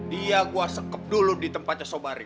dia gue sekep dulu di tempatnya sobari